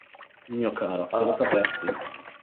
Mio caro, se lo sapessi!